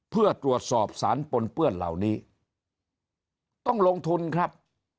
เพื่อตรวจสอบสารปนเปื้อนเหล่านี้ต้องลงทุนครับ